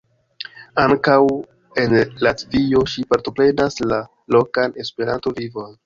Ankaŭ en Latvio ŝi partoprenas la lokan Esperanto-vivon.